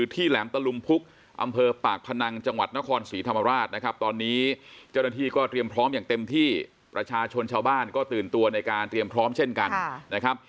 ทีนี้ก็เตรียมพร้อมอย่างเต็มที่ประชาชนชาวบ้านก็ตื่นตัวในการเตรียมพร้อมเช่นกันนะครับ